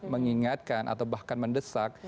mengingatkan atau bahkan mendesak